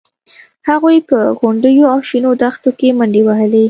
هغوی په غونډیو او شنو دښتونو کې منډې وهلې